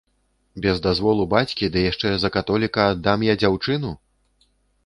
Без дазволу бацькі, ды яшчэ за католіка аддам я дзяўчыну?